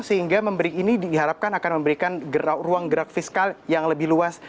sehingga ini diharapkan akan memberikan ruang gerak fiskal yang lebih luas